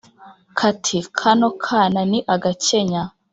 kati: kano kana ni agakenya